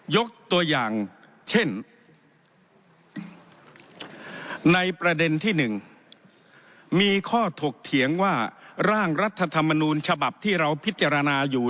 ยกตัวอย่างเช่นในประเด็นที่๑มีข้อถกเถียงว่าร่างรัฐธรรมนูญฉบับที่เราพิจารณาอยู่